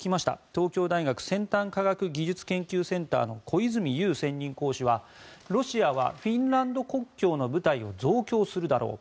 東京大学先端科学技術研究センターの小泉悠専任講師はロシアはフィンランド国境の部隊を増強するだろう。